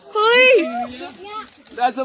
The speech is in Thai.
หวัดนะคะ